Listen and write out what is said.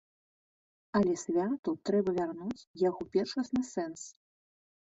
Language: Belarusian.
Але святу трэба вярнуць яго першасны сэнс.